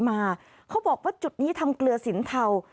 เขาบอกว่าจุดนี้ทำเกลือสินเทา